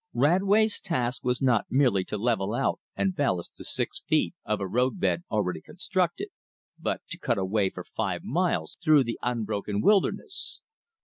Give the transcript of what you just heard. Radway's task was not merely to level out and ballast the six feet of a road bed already constructed, but to cut a way for five miles through the unbroken wilderness.